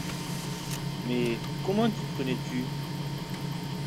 Mais comment t’y prenais-tu ?